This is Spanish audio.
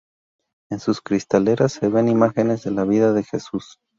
En sus cristaleras se ven imágenes de la vida de Jesús.